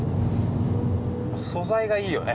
素材がイイよね！